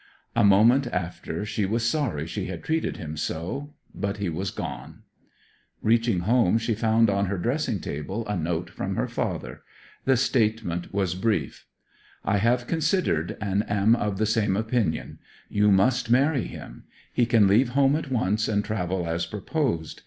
A moment after she was sorry she had treated him so; but he was gone. Reaching home she found on her dressing table a note from her father. The statement was brief: I have considered and am of the same opinion. You must marry him. He can leave home at once and travel as proposed.